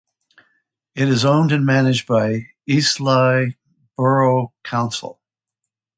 It is owned and managed by Eastleigh Borough Council.